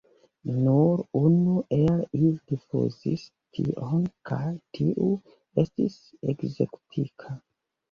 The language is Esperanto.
Nur unu el ili rifuzis tion kaj tiu estis ekzekutita.